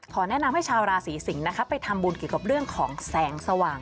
แนะนำให้ชาวราศีสิงศ์นะคะไปทำบุญเกี่ยวกับเรื่องของแสงสว่าง